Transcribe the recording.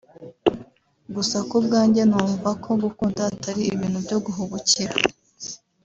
Gusa ku bwanjye numva ko gukunda atari ibintu byo guhubukira